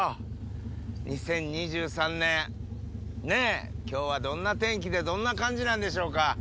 ２０２３年今日はどんな天気でどんな感じなんでしょうか。